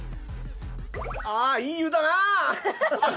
ああいい湯だなー！